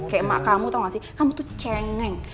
kayak mak kamu tau gak sih kamu tuh cengeng